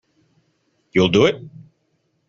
You'll do it?